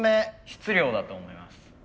質量だと思います。